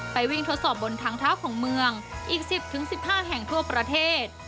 ไปวิ่งทดสอบบนทางเท้าของเมืองอีก๑๐๑๕แห่งทั่วประเทศ